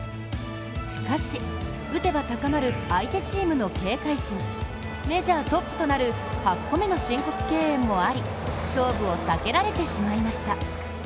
しかし、打てば高まる相手チームの警戒心メジャートップとなる８個目の申告敬遠もあり、勝負を避けられてしまいました。